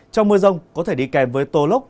trong mưa rông có thể đi kèm với tô lốc